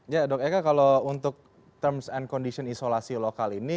ya dok eka kalau untuk terms and condition isolasi lokal ini